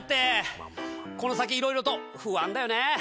この先いろいろと不安だよね。